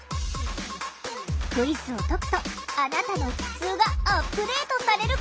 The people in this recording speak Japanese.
クイズを解くとあなたの「ふつう」がアップデートされるかも？